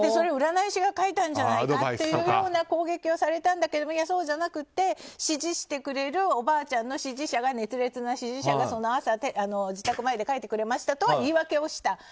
占い師が書いたんじゃないかという攻撃をされたんだけどそうじゃなくて支持してくれるおばあちゃんの支持者が熱烈な支持者が朝、自宅前で書いてくれましたと言い訳をした。